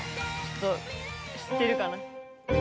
知ってるかな。